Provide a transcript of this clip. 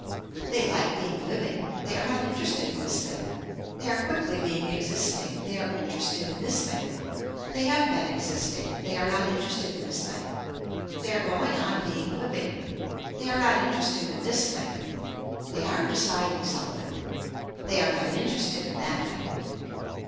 They like being living. They are not interested in this thing. They are quickly being existing. They are interested in this thing. They have been existing. They are not interested in this thing. They are going on being living. They are not interested in this thing. They are deciding something. They are not interested in that thing.